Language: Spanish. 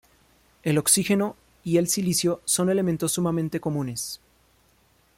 El Oxígeno y el silicio son elementos sumamente comunes.